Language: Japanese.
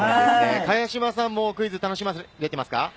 茅島さんもクイズ楽しまれていますか？